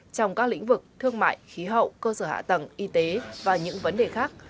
trong các lĩnh vực thương mại khí hậu cơ sở hạ tầng y tế và những vấn đề khác